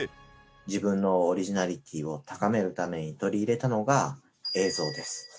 自分のオリジナリティを高めるために取り入れたのが映像です。